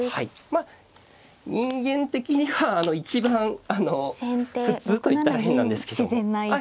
まあ人間的には一番あの普通と言ったら変なんですけども。